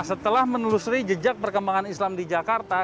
nah setelah menelusuri jejak islam di jakarta